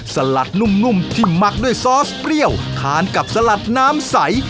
สลัดนุ่มที่หมักด้วยซอสเปรี้ยวทานกับสลัดน้ำใส